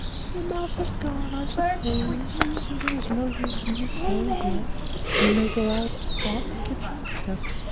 The mouse has gone, I suppose, so there's no use in your staying here. You may go out on the kitchen steps.